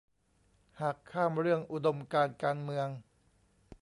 หากข้ามเรื่องอุดมการณ์การเมือง